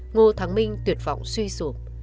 ngô thắng minh tuyệt vọng suy sụp